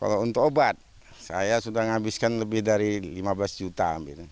kalau untuk obat saya sudah menghabiskan lebih dari lima belas juta